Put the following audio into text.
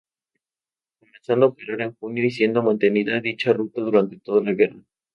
Comenzando a operar en junio y siendo mantenida dicha ruta durante toda la guerra.